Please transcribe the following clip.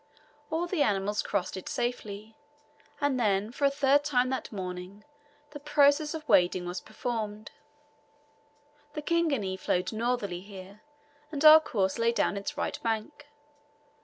All the animals crossed it safely, and then for a third time that morning the process of wading was performed. The Kingani flowed northerly here, and our course lay down its right bank.